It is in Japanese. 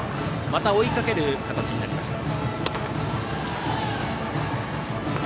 また追いかける形になりました。